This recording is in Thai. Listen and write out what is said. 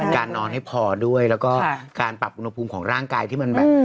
การนอนให้พอด้วยแล้วก็การปรับอุณหภูมิของร่างกายที่มันแบบ